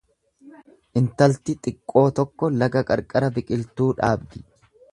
Intalti xiqqoo tokko laga qarqara biqiltuu dhaabdi.